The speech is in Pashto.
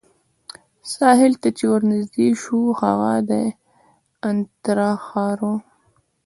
ساحل ته چې ورنژدې شوو، هغه د انترا ښار وو.